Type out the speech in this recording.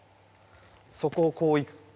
そこをこういく感覚で。